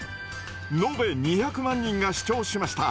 延べ２００万人が視聴しました。